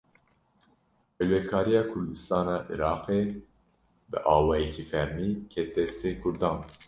Ewlekariya Kurdistana Iraqê, bi awayekî fermî ket destê Kurdan